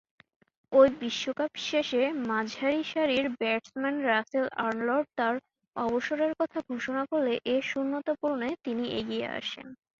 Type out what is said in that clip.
ঐ বিশ্বকাপ শেষে মাঝারিসারির ব্যাটসম্যান রাসেল আর্নল্ড তার অবসরের কথা ঘোষণা করলে এ শূন্যতা পূরণে তিনি এগিয়ে আসেন।